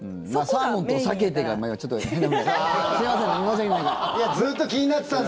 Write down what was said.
サーモンと避けてが今ちょっと、変な話。